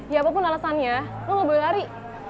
ya apapun alasannya lo gak boleh lari